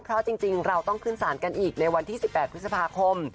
เพราะจริงเราต้องขึ้นสารกันอีกในวันที่๑๘พฤษภาคม